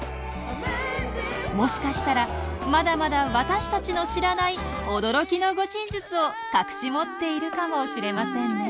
もしかしたらまだまだ私たちの知らない驚きの護身術を隠し持っているかもしれませんね。